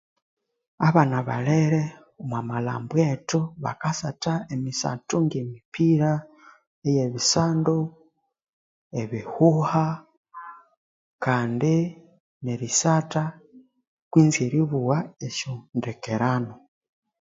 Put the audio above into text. Abana balera omwa malhambo ethu bakasatha emisatho nge mipira yebisandu ebihuha kandi neri satha kwinzi eribugha esyondekerano